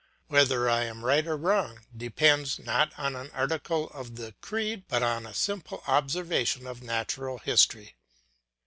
Whether I am right or wrong depends, not on an article of the creed, but on a simple observation in natural history.